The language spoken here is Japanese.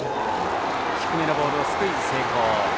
低めのボール、スクイズ成功。